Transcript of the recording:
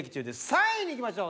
３位にいきましょう。